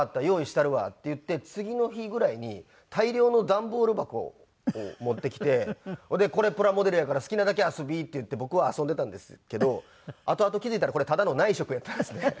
用意したるわ」って言って次の日ぐらいに大量の段ボール箱を持ってきて「これプラモデルやから好きなだけ遊び」って言って僕は遊んでたんですけどあとあと気付いたらこれただの内職やったんですね。